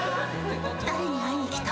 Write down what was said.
誰に会いにきた？